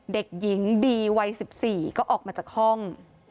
เด็กหญิงดีวัย๑๔ก็ออกมาจากห้อง